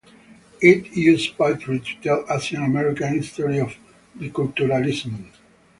It uses poetry to tell Asian American history of biculturalism.